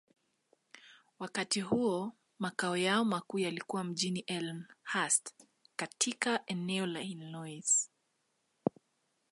Wakati huo, makao yao makuu yalikuwa mjini Elmhurst, katika eneo la Illinois.